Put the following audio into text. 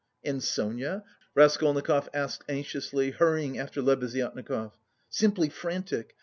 "And Sonia?" Raskolnikov asked anxiously, hurrying after Lebeziatnikov. "Simply frantic.